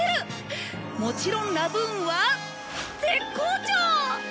もちろんラブ運は絶好調！